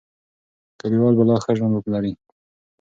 کلیوال به لا ښه ژوند ولري.